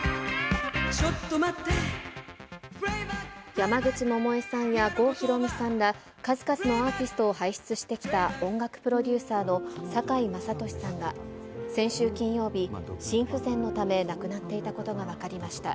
山口百恵さんや郷ひろみさんら、数々のアーティストを輩出してきた音楽プロデューサーの酒井政利さんが、先週金曜日、心不全のため亡くなっていたことが分かりました。